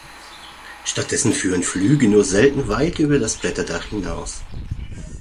Stattdessen führen Flüge nur selten weit über das Blätterdach hinaus.